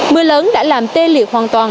mưa lớn đã làm tê liệt hoàn toàn